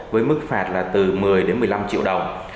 với mức phạt là từ một mươi đến một mươi năm triệu đồng